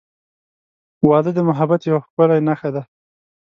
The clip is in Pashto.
• واده د محبت یوه ښکلی نښه ده.